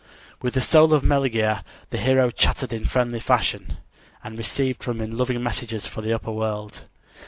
With the soul of Meleager the hero chatted in friendly fashion, and received from him loving messages for the upper world.